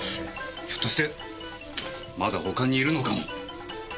ひょっとしてまだ他にいるのかも。